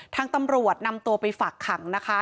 ทางตำรวจนำตัวไปฝากขังนะคะ